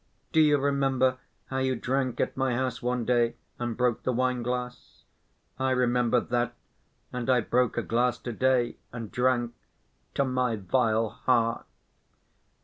Do you remember how you drank at my house one day and broke the wine‐glass? I remembered that and I broke a glass to‐day and drank 'to my vile heart.